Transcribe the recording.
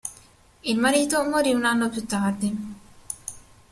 Il marito morì un anno più tardi.